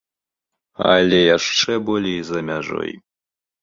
Але яшчэ болей за мяжой.